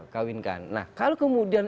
kawinkan nah kalau kemudian